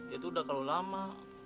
dia tuh udah kalau lama